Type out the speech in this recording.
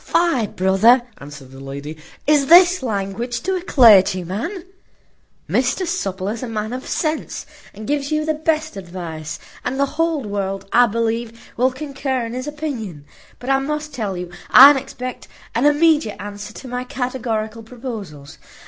"Fie, brother," answered the lady, "is this language to a clergyman? Mr Supple is a man of sense, and gives you the best advice; and the whole world, I believe, will concur in his opinion; but I must tell you I expect an immediate answer to my categorical proposals.